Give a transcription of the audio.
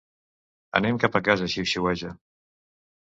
Anem cap a casa, xiuxiueja.